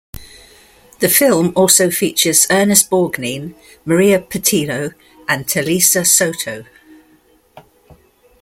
The film also features Ernest Borgnine, Maria Pitillo, and Talisa Soto.